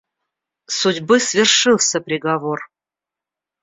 Судьбы свершился приговор!